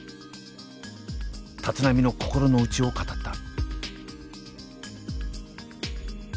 立浪の心の内を語った。